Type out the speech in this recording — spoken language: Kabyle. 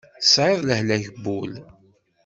Tesɛiḍ lehlak n wul.